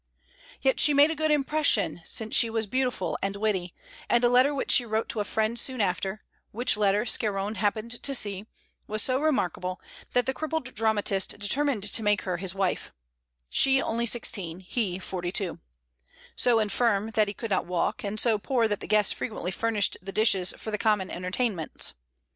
Yet she made a good impression, since she was beautiful and witty; and a letter which she wrote to a friend soon after, which letter Scarron happened to see, was so remarkable, that the crippled dramatist determined to make her his wife, she only sixteen, he forty two; so infirm that he could not walk, and so poor that the guests frequently furnished the dishes for the common entertainments.